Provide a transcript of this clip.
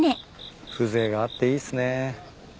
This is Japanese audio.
風情があっていいっすね。